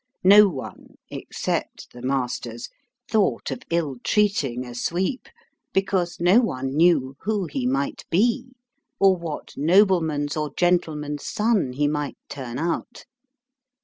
No one (except the masters) thought of ill treating a sweep, because no one knew who he might be, or what nobleman's or gentle man's son he might turn out.